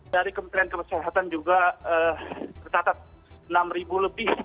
dari kementerian kesehatan juga tertatat enam lebih